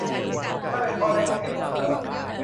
นั่นเป็นข้อได้เปรียบเสมอ